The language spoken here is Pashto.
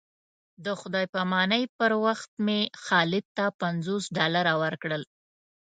د خدای په امانۍ پر وخت مې خالد ته پنځوس ډالره ورکړل.